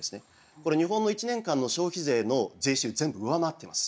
これ日本の１年間の消費税の税収全部上回っています。